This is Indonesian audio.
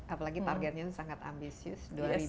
apalagi targetnya itu sangat ambisius